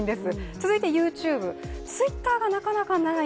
続いてＹｏｕＴｕｂｅ、Ｔｗｉｔｔｅｒがなかなかない。